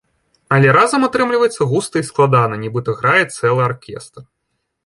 Але разам атрымліваецца густа і складана, нібыта грае цэлы аркестр.